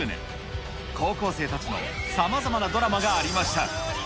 高校生たちのさまざまなドラマがありました。